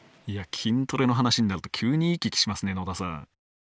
いや筋トレの話になると急に生き生きしますね野田さん。